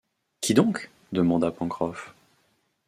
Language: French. Qui donc ? demanda Pencroff.